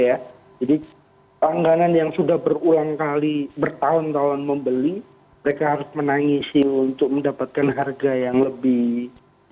jadi pelanggaran yang sudah berulang kali bertahun tahun membeli mereka harus menangis untuk mendapatkan harga yang lebih baik